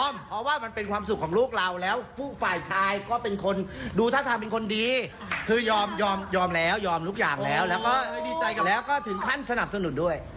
เพราะว่ามันเป็นความสุขของลูกเราแล้วฝ่ายชายก็เป็นคนดูท่าทางเป็นคนดีคือยอมยอมแล้วยอมทุกอย่างแล้วแล้วก็ดีใจกับแล้วก็ถึงขั้นสนับสนุนด้วย